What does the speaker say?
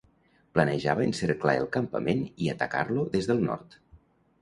Planejava encerclar el campament i atacar-lo des del nord.